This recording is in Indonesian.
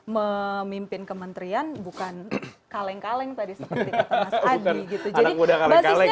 memimpin kementerian bukan kaleng kaleng seperti tadi mas adi